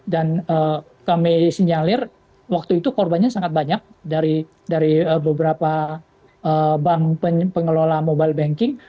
dan kami sinyalir waktu itu korbannya sangat banyak dari beberapa bank pengelola mobile banking